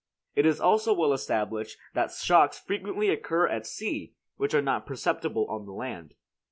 It is also well established that shocks frequently occur at sea, which are not perceptible on the land.